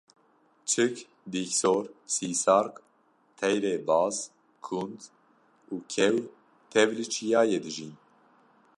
çik, dîksor, sîsark, teyrê baz, kund û kew tev li çiyayê dijîn